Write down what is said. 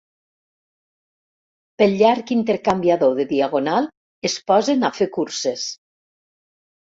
Pel llarg intercanviador de Diagonal es posen a fer curses.